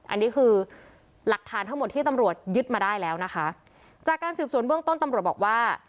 อันนี้คือหลักฐานทั้งหมดที่ตำรวจยึดมาได้แล้วนะคะจากการสืบสวนเบื้องต้นตำรวจบอกว่า